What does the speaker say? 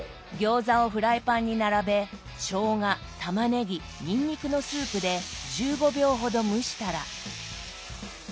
餃子をフライパンに並べしょうがたまねぎにんにくのスープで１５秒ほど蒸したら。